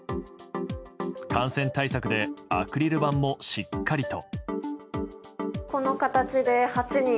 感染対策でアクリル板もしっかりと。